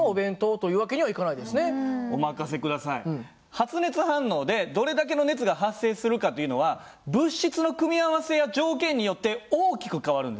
発熱反応でどれだけの熱が発生するかというのは物質の組み合わせや条件によって大きく変わるんですね。